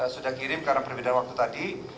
sudah kirim karena perbedaan waktu tadi